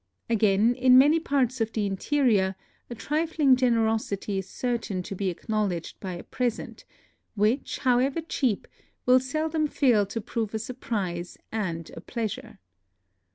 Again, in many parts of the interior a trifling generosity is certain to be acknowledged by a present, which, how ever cheap, will seldom fail to prove a sur prise and a pleasure.